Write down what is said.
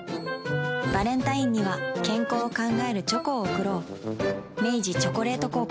バレンタインには健康を考えるチョコを贈ろう明治「チョコレート効果」